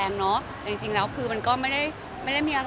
เอาเรื่องราวดีเป็นแล้วนะคะติดตามการ